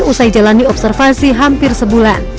usai jalani observasi hampir sebulan